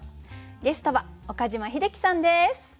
ゲストは岡島秀樹さんです。